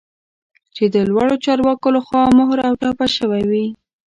چې د لوړو چارواکو لخوا مهر او ټاپه شوی وي